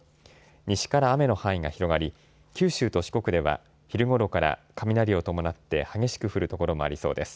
西から雨の範囲が広がり九州と四国では昼ごろから雷を伴って激しく降る所もありそうです。